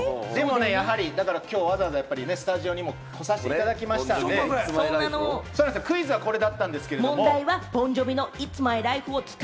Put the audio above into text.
だからきょう、わざわざスタジオに来させていただきましたし、クイズはこれだったんですけれどもね。